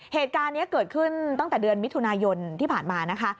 เหตุการณ์นี้เกิดขึ้นตั้งแต่เดือนมิถุนายนที่ผ่านมานะคะ